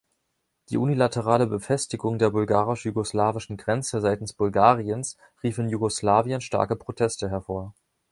Die unilaterale Befestigung der bulgarisch-jugoslawischen Grenze seitens Bulgariens rief in Jugoslawien starke Proteste hervor.